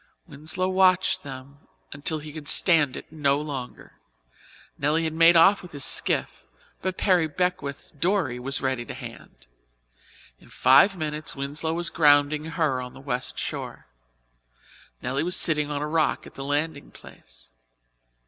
Winslow watched them until he could stand it no longer. Nelly had made off with his skiff, but Perry Beckwith's dory was ready to hand. In five minutes, Winslow was grounding her on the West shore. Nelly was sitting on a rock at the landing place.